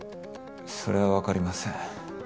それはわかりません。